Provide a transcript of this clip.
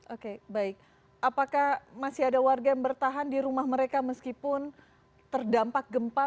oke baik apakah masih ada warga yang bertahan di rumah mereka meskipun terdampak gempa